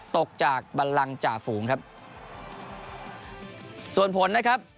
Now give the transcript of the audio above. ตกจากบันลังจ่าฝูงครับส่วนผลนะครับ